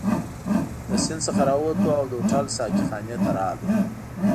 له سیند څخه راووتو او د هوټل ساقي خانې ته راغلو.